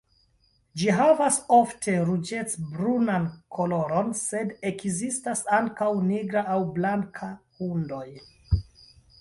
Ĝi havas ofte ruĝec-brunan koloron, sed ekzistas ankaŭ nigra aŭ blanka hundoj.